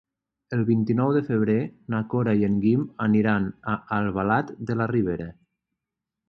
El vint-i-nou de febrer na Cora i en Guim aniran a Albalat de la Ribera.